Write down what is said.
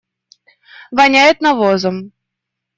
Воняет навозом.